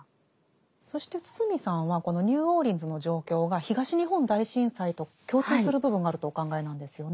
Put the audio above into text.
そして堤さんはこのニューオーリンズの状況が東日本大震災と共通する部分があるとお考えなんですよね。